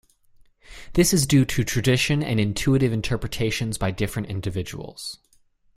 This is due to tradition and intuitive interpretations by different individuals.